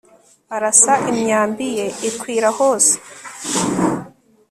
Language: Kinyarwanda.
arasa imyambi ye, ikwira hose